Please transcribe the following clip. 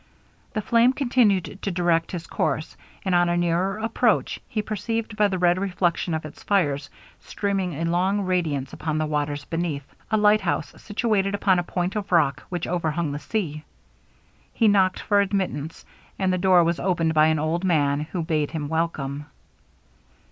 The flame continued to direct his course; and on a nearer approach, he perceived, by the red reflection of its fires, streaming a long radiance upon the waters beneath a lighthouse situated upon a point of rock which overhung the sea. He knocked for admittance, and the door was opened by an old man, who bade him welcome.